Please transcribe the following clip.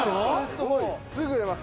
すぐ売れます。